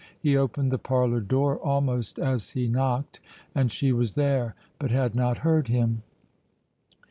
He opened the parlour door almost as he knocked, and she was there, but had not heard him.